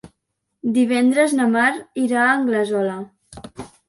Divendres na Mar irà a Anglesola.